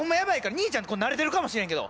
兄ちゃん慣れてるかもしれんけど。